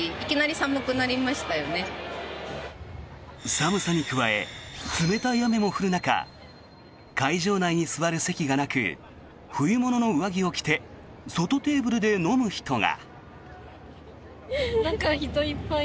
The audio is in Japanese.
寒さに加え、冷たい雨も降る中会場内に座る席がなく冬物の上着を着て外テーブルで飲む人が。